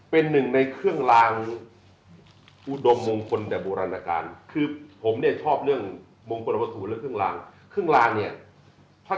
ถ้าเกิดพูดถึงเรื่องพระก็ต้องถือว่าพระ